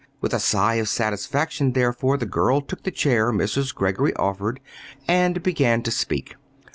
With a sigh of satisfaction, therefore, the girl took the chair Mrs. Greggory offered, and began to speak.